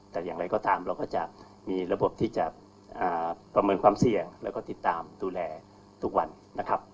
แต่อย่างไรก็ตามเราก็จะมีระบบที่จะประเมินความเสี่ยงแล้วก็ติดตามดูแลทุกวันนะครับ